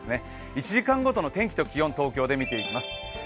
１時間ごとの天気と気温、東京で見ていきます。